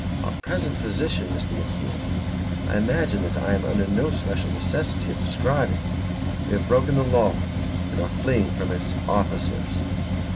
Our present position, Mr. MacIan, I imagine that I am under no special necessity of describing. We have broken the law and we are fleeing from its officers.